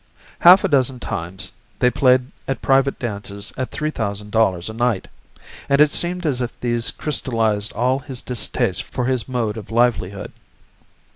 Half a dozen times they played at private dances at three thousand dollars a night, and it seemed as if these crystallized all his distaste for his mode of livlihood.